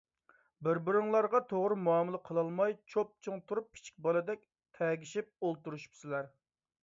بىر - بىرىڭلارغا توغرا مۇئامىلە قىلالماي چوپچوڭ تۇرۇپ كىچىك بالىدەك تەگىشىپ ئولتۇرۇشۇپسىلەر.